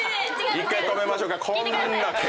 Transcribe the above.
１回止めましょうか。